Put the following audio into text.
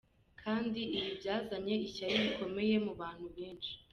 Kandi ibi byazanye ishyari rikomeye mu bantu benshi.